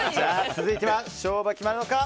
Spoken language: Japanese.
続いて勝負が決まるのか。